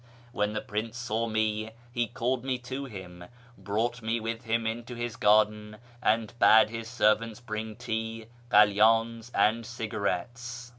When the prince saw me he called me to him, brought me with hmi into his garden, and bade his servants bring tea, kalydns and cigarettes.